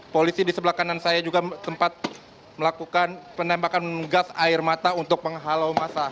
polisi di sebelah kanan saya juga sempat melakukan penembakan gas air mata untuk menghalau masa